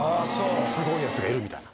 すごいやつがいるみたいな。